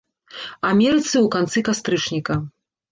Амерыцы ў канцы кастрычніка.